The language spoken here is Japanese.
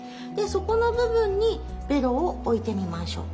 そこの部分にベロを置いてみましょう。